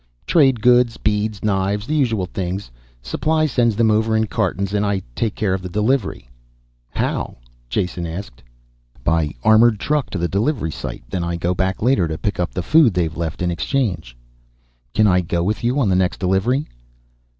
"Trade goods, beads, knives, the usual things. Supply sends them over in cartons and I take care of the delivery." "How?" Jason asked. "By armored truck to the delivery site. Then I go back later to pick up the food they've left in exchange." "Can I go with you on the next delivery?"